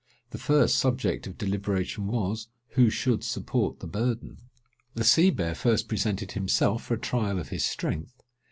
The first subject of deliberation was, who should support the burden. The sea bear first presented himself for a trial of his strength.